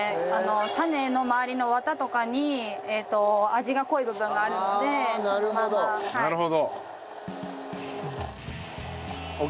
種の周りのワタとかに味が濃い部分があるのでそのまま。